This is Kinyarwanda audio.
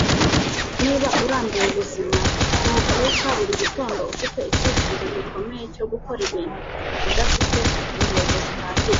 niba urambiwe ubuzima - ntubyuka buri gitondo ufite icyifuzo gikomeye cyo gukora ibintu - udafite intego zihagije